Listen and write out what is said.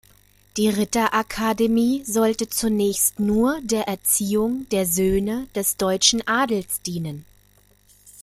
Die Ritterakademie sollte zunächst nur der Erziehung der Söhne des deutschen Adels dienen.